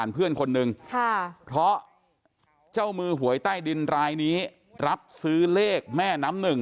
เพื่อนคนนึงค่ะเพราะเจ้ามือหวยใต้ดินรายนี้รับซื้อเลขแม่น้ำหนึ่ง